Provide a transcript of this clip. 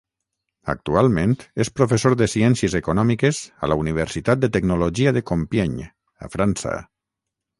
Actualment és professor de ciències econòmiques a la Universitat de tecnologia de Compiègne, a França.